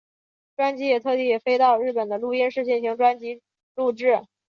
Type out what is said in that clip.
专辑也特地飞到日本的录音室进行专辑录制。